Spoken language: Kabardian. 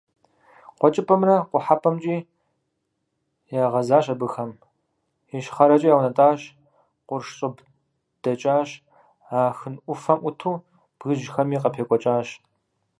КъуэкӀыпӀэмрэ къухьэпӀэмкӀи ягъэзащ абыхэм, ищхъэрэкӀэ яунэтӀащ, къурш щӀыб дэкӀащ, Ахын Ӏуфэм Ӏуту бгыжьхэми къыпекӀуэкӀащ.